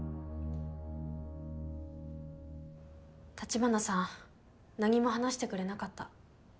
立花さん何も話してくれなかった。